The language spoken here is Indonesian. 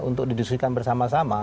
untuk didiskusikan bersama sama